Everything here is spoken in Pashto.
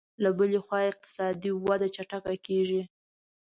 له بلې خوا اقتصادي وده چټکه کېږي